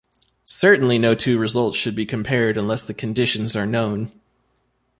Certainly no two results should be compared unless the conditions are known.